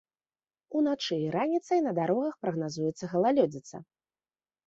Уначы і раніцай на дарогах прагназуецца галалёдзіца.